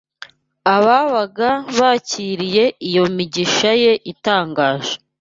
ababaga bakiriye iyo migisha ye itangaje